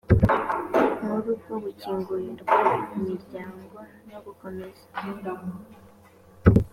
nkuru bwo gukingurirwa imiryango no gukomeza